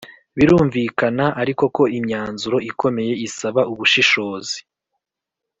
Birumvikana ariko ko imyanzuro ikomeye isaba ubushishozi.